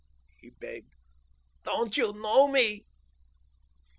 he begged. "Don't you know me?